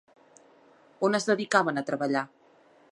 On es dedicaven a treballar?